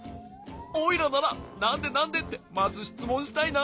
おいらなら「なんで？なんで？」ってまずしつもんしたいな。